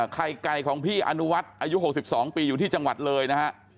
ไข่ไก่ของพี่อนุวัฒน์อายุ๖๒ปีอยู่ที่จังหวัดเลยนะฮะ